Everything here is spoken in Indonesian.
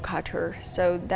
jadi itu adalah